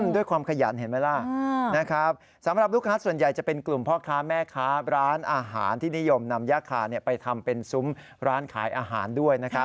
ด้วยความขยันเห็นไหมล่ะสำหรับลูกค้าส่วนใหญ่จะเป็นกลุ่มพ่อค้าแม่ค้าร้านอาหารที่นิยมนำย่าคาไปทำเป็นซุ้มร้านขายอาหารด้วยนะครับ